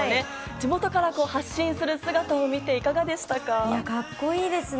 地元から発信する姿を見ていかがでしたか？